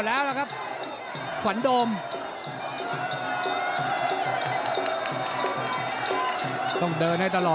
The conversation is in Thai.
ฝ่ายทั้งเมืองนี้มันตีโต้หรืออีโต้